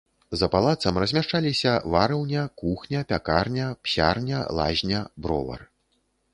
За палацам размяшчаліся варыўня, кухня, пякарня, псярня, лазня, бровар.